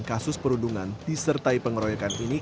kasus perundungan disertai pengeroyokan ini